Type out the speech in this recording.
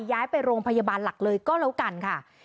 ย้ายไปโรงพยาบาลหลักเลยก็แล้วกันค่ะ